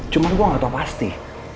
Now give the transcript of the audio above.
cuma gue gak tau pasti